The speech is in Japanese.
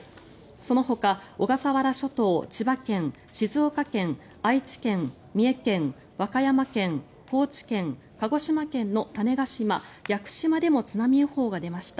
そのほか小笠原諸島、千葉県、静岡県愛知県、三重県和歌山県、高知県鹿児島県の種子島、屋久島でも津波予報が出ました。